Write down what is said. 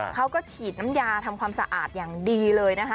เขาก็ฉีดน้ำยาทำความสะอาดอย่างดีเลยนะคะ